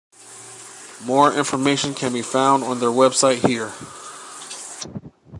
More information can be found on their website here.